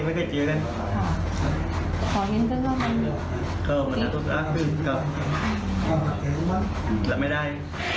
ไม่ใช่คือและไม่ได้